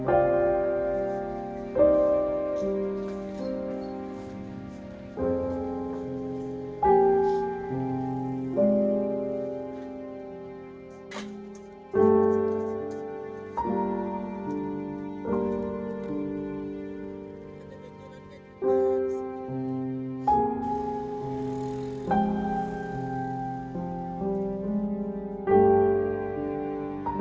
alhamdulillah ya allah